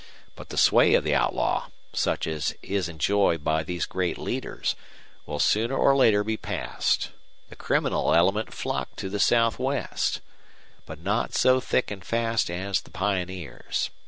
But the sway of the outlaw, such as is enjoyed by these great leaders, will sooner or later be past. The criminal element flock to the Southwest. But not so thick and fast as the pioneers.